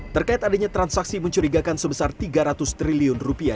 terkait adanya transaksi mencurigakan sebesar rp tiga ratus triliun rupiah